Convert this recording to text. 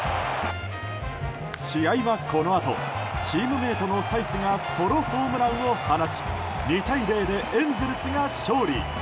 試合は、このあとチームメートのサイスがソロホームランを放ち２対０でエンゼルスが勝利。